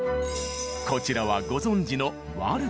こちらはご存じのワルツ。